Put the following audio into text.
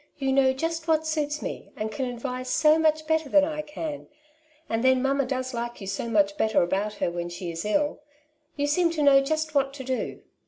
Tou know just what suits me, and can advise so much better than I can ; and then mamma does like you so much better about her when she is ill ; you seem to know just what to do.